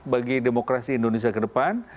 bagi demokrasi indonesia ke depan